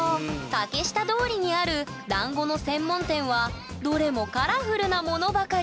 竹下通りにあるだんごの専門店はどれもカラフルなものばかり。